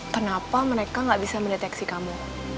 kenapa mereka gak bisa mendeteksi kamu